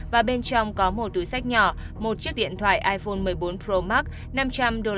và bên trong có một túi sách nhỏ một chiếc điện thoại iphone một mươi bốn pro max năm trăm linh usd